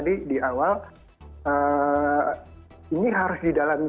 di dagangan kemudian ya ini